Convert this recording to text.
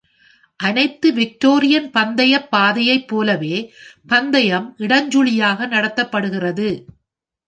அனைத்து விக்டோரியன் பந்தையப் பாதையைப் போலவே பந்தையம் இடஞ்சுழியாக நடத்தப்படுகிறது.